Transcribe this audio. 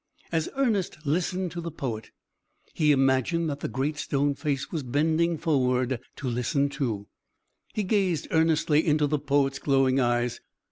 As Ernest listened to the poet, he imagined that the Great Stone Face was bending forward to listen too. He gazed earnestly into the poet's glowing eyes.